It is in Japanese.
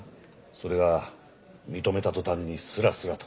それが認めた途端にスラスラと。